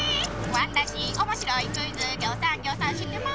ワタシおもしろいクイズぎょうさんぎょうさんしってまんねん。